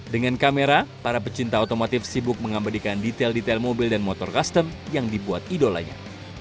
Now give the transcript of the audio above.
dengan kamera para pecinta otomotif sibuk mengabadikan detail detail mobil dan motor custom yang dibuat idolanya